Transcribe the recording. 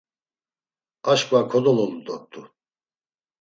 Aşǩva kodololu dort̆u.